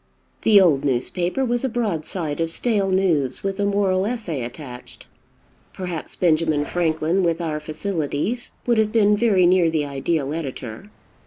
The old newspaper was a broadside of stale news, with a moral essay attached. Perhaps Benjamin Franklin, with our facilities, would have been very near the ideal editor.